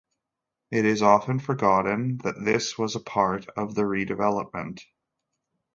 It is often forgotten that this was part of the redevelopment.